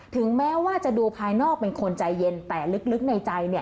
ถึงแม้ว่าจะดูภายนอกเป็นคนใจเย็นแต่ลึกในใจ